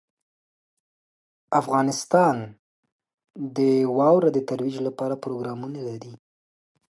افغانستان د واوره د ترویج لپاره پروګرامونه لري.